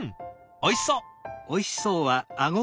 おいしそう！